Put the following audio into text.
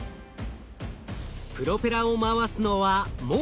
プロペラを回すのはモーター。